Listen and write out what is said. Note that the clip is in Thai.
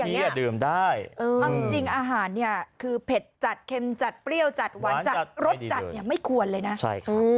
อันนี้ดื่มได้เอาจริงอาหารเนี่ยคือเผ็ดจัดเค็มจัดเปรี้ยวจัดหวานจัดรสจัดเนี่ยไม่ควรเลยนะใช่ครับ